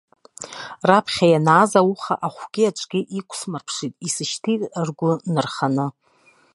Раԥхьа ианааз ауха ахәгьы-аҿгьы иқәысмырԥшит, исышьҭит ргәы нырханы.